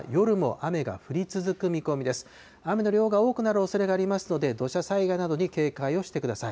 雨の量が多くなるおそれがありますので、土砂災害などに警戒をしてください。